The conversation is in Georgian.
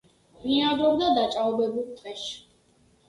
ბინადრობდა დაჭაობებულ ტყეში.